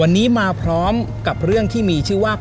วันนี้มาพร้อมกับเรื่องที่มีชื่อว่า